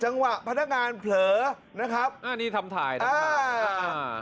จังหวะพนักงานเผลอนะครับนี่ทำถ่ายนะครับ